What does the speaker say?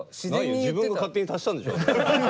自分が勝手に足したんでしょ。